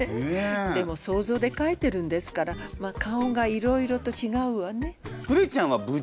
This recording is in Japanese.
でも想像でかいてるんですからまあ顔がいろいろとちがうわね。